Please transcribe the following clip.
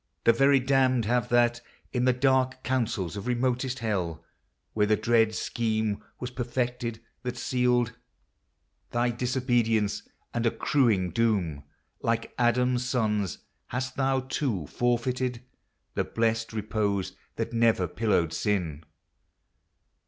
the very damned have that In the dark councils of remotest Hell, Where the dread scheme was perfected that sealed DO POEMS OF FAXCY. Thy disobedience and accruing doom. Like Adam's sons, hast thou, too, forfeited The blest repose that never pillowed Sin